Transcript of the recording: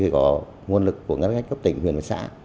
có nguồn lực của các cấp tỉnh huyện và xã